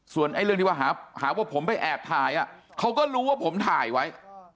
ส่วนเรื่องที่ว่าหาว่าผมไปแอบถ่ายเขาก็รู้ว่าผมถ่ายไว้